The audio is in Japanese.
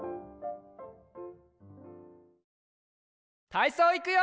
たいそういくよ！